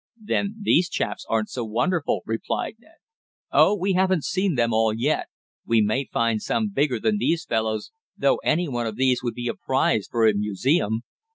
"Then these chaps aren't so wonderful," replied Ned. "Oh, we haven't seen them all yet. We may find some bigger than these fellows, though any one of these would be a prize for a museum.